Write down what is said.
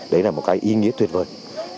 đấy là một cái ý nghĩa tuyệt vời